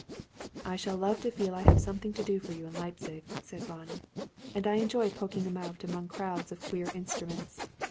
"I shall love to feel I have something to do for you in Leipzig," said Ronnie; "and I enjoy poking about among crowds of queer instruments.